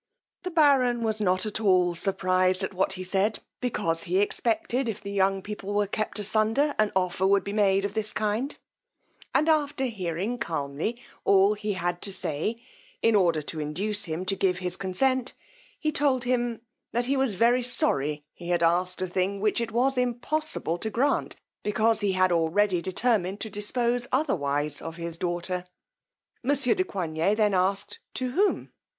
The baron was not at all surprized at what he said, because he expected, if the young people were kept asunder, an offer would be made of this kind; and after hearing calmly all he had to say, in order to induce him to give his consent, he told him, that he was very sorry he had asked a thing which it was impossible to grant, because he had already determined to dispose otherwise of his daughter. Monsieur de Coigney then asked to whom.